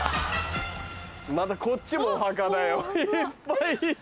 またこっちもお墓だよいっぱいいる。